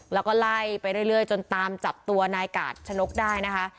แล้วก็ไล่ไปเรื่อยจนตามจับตัวนายกาดชะนกได้นะคะ